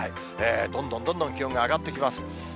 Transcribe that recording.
どんどんどんどん気温が上がってきます。